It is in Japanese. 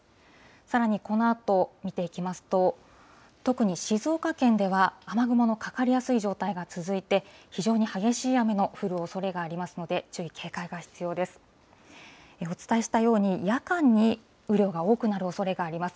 さらにこのあと見ていきますと、特に静岡県では、雨雲のかかりやすい状態が続いて、非常に激しい雨の降るおそれがありますので、注意、警戒が必要です。